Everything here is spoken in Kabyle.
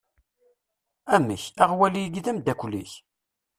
Amek, aɣwali-agi d ameddakel-ik?